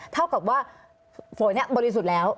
เท่ากับว่าฝนบริสุทธิ์แล้ว